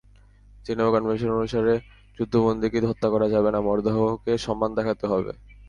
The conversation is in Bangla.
জেনেভা কনভেনশন অনুসারে যুদ্ধবন্দীকে হত্যা করা যাবে না, মরদেহকে সম্মান দেখাতে হবে।